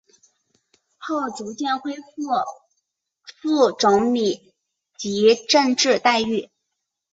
后逐渐恢复副总理级政治待遇。